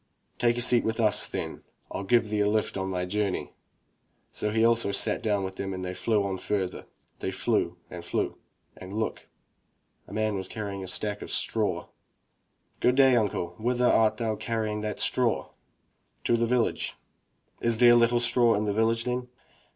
"Take a seat with us, then. FU give thee a lift on thy journey." So he also sat down with them and they flew on further. They flew and flew and look! — a man was carrying a sack of straw. "Good day, imcle, whither art thou carrying that straw?" "To the village." "Is there little straw in the village, then?"